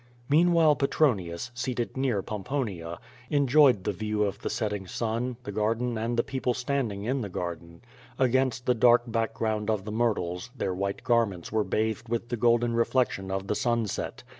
Meanwhile Petronius, seated near Pomponiai enjoyed the 32 QUO VADI8. view of the setting sun, the garden and the people standing in the garden. Against the dark background of the myrtles, their white garments were bathed with the golden reflection of the sunset.